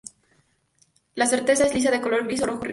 La corteza es lisa de color gris o rojo-gris.